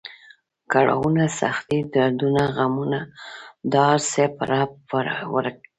کړاونه، سختۍ، دردونه، غمونه دا هر څه به رب ورک کړي.